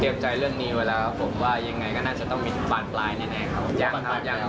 ใจเรื่องนี้ไว้แล้วครับผมว่ายังไงก็น่าจะต้องมีบานปลายแน่ครับ